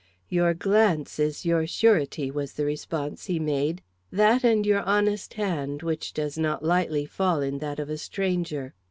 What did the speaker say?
"Your glance is your surety," was the response he made. "That and your honest hand, which does not lightly fall in that of a stranger."